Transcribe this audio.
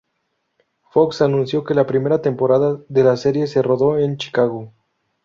Fox anunció que la primera temporada de la serie se rodó en Chicago.